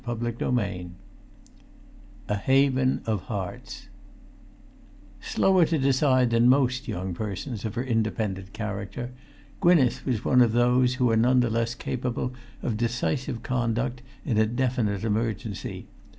[Pg 348] XXIX A HAVEN OF HEARTS Slower to decide than most young persons of her independent character, Gwynneth was one of those who are none the less capable of decisive conduct in a definite emergency.